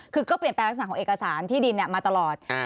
คือก็เปลี่ยนแปลงลักษณะของเอกสารที่ดินมาตลอด